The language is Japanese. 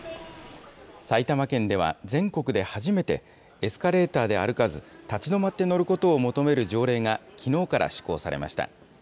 埼玉県では、全国で初めてエスカレーターで歩かず、立ち止まって乗ることを求める条例が、きのうから施行されました。